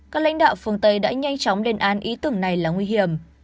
các lãnh đạo phương tây đã nhanh chóng lên án ý tưởng này là nguy hiểm